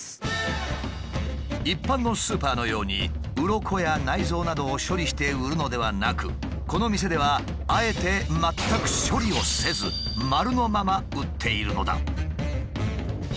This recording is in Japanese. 一般のスーパーのようにうろこや内臓などを処理して売るのではなくこの店ではあえて全く処理をせず丸のまま売っているのだ。